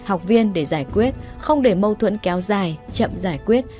học viên để giải quyết không để mâu thuẫn kéo dài chậm giải quyết